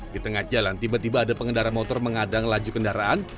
di tengah jalan tiba tiba ada pengendara motor mengadang laju kendaraan